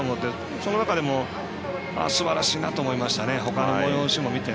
その中でも、すばらしいなと思いました。